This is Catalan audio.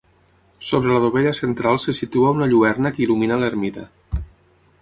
Sobre la dovella central se situa una lluerna que il·lumina l'ermita.